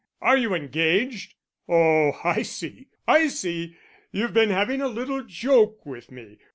Are you engaged? Oh, I see, I see. You've been having a little joke with me.